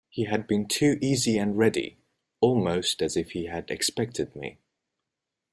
He had been too easy and ready, almost as if he had expected me.